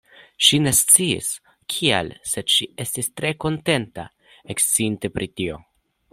Ŝi ne sciis kial, sed ŝi estis tre kontenta, eksciinte pri tio.